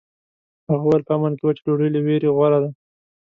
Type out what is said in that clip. هغه وویل په امن کې وچه ډوډۍ له ویرې غوره ده.